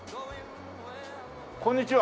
こんにちは。